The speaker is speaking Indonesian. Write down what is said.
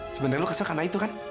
sebenarnya lu kesel karena itu kan